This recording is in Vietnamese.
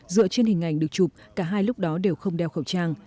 dựa trên hình ảnh được chụp cả hai lúc đó đều không đeo khẩu trang